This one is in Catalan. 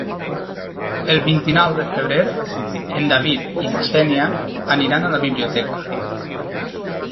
El vint-i-nou de febrer en David i na Xènia aniran a la biblioteca.